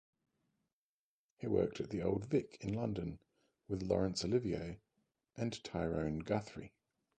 He worked at the Old Vic in London with Laurence Olivier and Tyrone Guthrie.